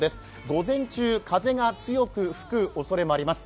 午前中、風が強く吹くおそれもあります。